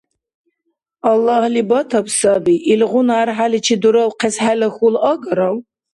Аллагьли батаб саби. Илгъуна архӀяличи дуравхъес хӀела хьул агарав?